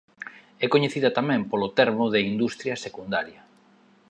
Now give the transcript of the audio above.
É coñecida tamén polo termo de industria secundaria.